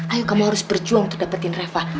ayo kamu harus berjuang untuk dapetin reva